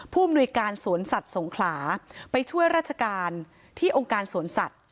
ผู้อำนวยการสวนสัตว์สงขลาไปช่วยราชการที่องค์การสวนสัตว